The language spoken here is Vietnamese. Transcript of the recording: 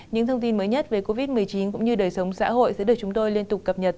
những thông tin mới nhất về covid một mươi chín cũng như đời sống xã hội sẽ được chúng tôi liên tục cập nhật